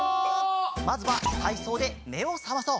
まずはたいそうでめをさまそう。